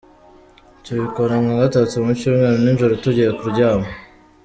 Tubikora nka gatatu mu cyumweru nijoro tugiye kuryama.